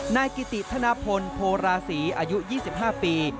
นายกิติธนพลโพราศีอายุ๒๕ปี